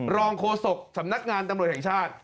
โฆษกสำนักงานตำรวจแห่งชาติ